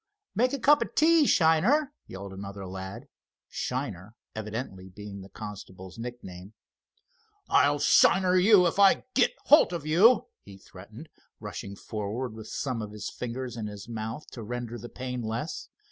"Make a cup of tea, Shiner!" yelled another lad, "Shiner" evidently being the constable's nickname. "I'll 'shiner' you if I git holt of you!" he threatened, rushing forward with some of his fingers in his mouth to render the pain less.